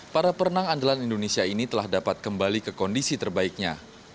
para perenang andalan indonesia ini telah dapat kembali ke kondisi terbaiknya